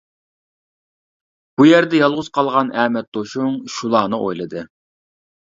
بۇ يەردە يالغۇز قالغان ئەمەت توشۇڭ شۇلارنى ئويلىدى.